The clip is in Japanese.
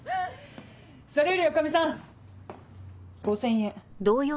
それより女将さん５０００円。